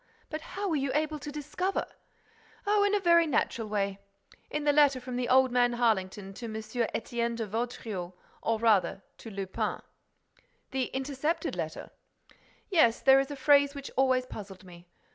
But how were you able to discover—?" "Oh, in a very natural way! In the letter from old man Harlington to M. Étienne de Vaudreix, or rather to Lupin—" "The intercepted letter?" "Yes. There is a phrase which always puzzled me.